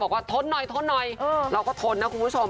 ทนหน่อยทนหน่อยเราก็ทนนะคุณผู้ชม